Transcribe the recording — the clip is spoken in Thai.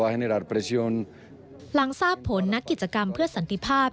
หลังทราบผลนักกิจกรรมเพื่อสันติภาพ